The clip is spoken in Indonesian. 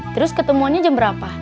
terus ketemuannya jam berapa